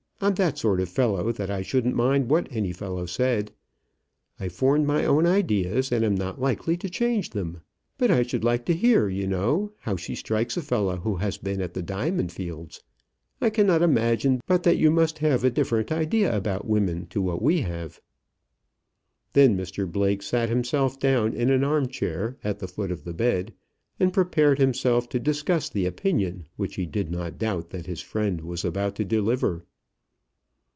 I'm that sort of fellow that I shouldn't mind what any fellow said. I've formed my own ideas, and am not likely to change them. But I should like to hear, you know, how she strikes a fellow who has been at the diamond fields. I cannot imagine but that you must have a different idea about women to what we have." Then Mr Blake sat himself down in an arm chair at the foot of the bed, and prepared himself to discuss the opinion which he did not doubt that his friend was about to deliver.